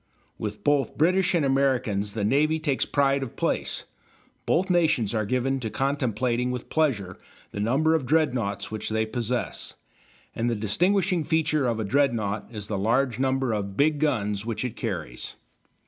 With both British and Americans the navy takes pride of place; both nations are given to contemplating with pleasure the number of dreadnoughts which they possess, and the distinguishing feature of a dreadnought is the large number of big guns which it carries.